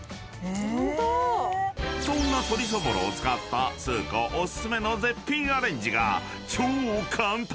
［そんな鶏そぼろを使ったスー子お薦めの絶品アレンジが超簡単！